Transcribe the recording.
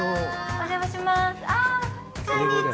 お邪魔します。